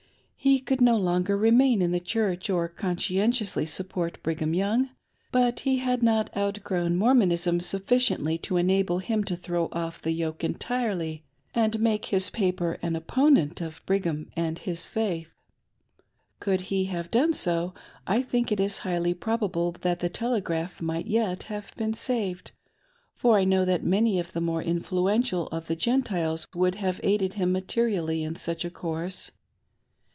He could no longer remain, in the Church or conscientiously support Brigham Young ; but he had not outgrown Mormonism suiifl ciently to enable him to throw off the yoke entirely and make his paper an opponent of Brigham and his faith. Could h^ have done so, I think it is highly probable that the Telegraph might yet have been saved, for I know that many of the more influential of the Gentiles would' have aided him materially in such a course.